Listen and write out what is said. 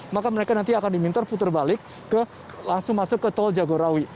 maka mereka nanti akan diminta putar balik langsung masuk ke tol jagorawi